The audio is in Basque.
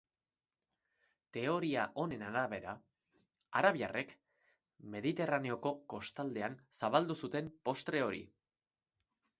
Teoria honen arabera, arabiarrek Mediterraneoko kostaldean zabaldu zuten postre hori.